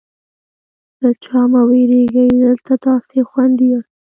له چا مه وېرېږئ، دلته تاسې خوندي یاست.